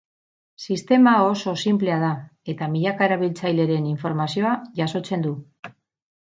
Sistema oso sinplea da eta milaka erabiltzaileren informazioa jasotzen du.